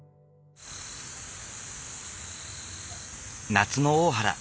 夏の大原。